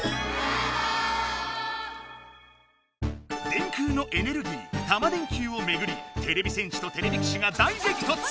電空のエネルギータマ電Ｑをめぐりてれび戦士とてれび騎士が大げきとつ！